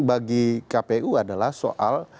bagi kpu adalah soal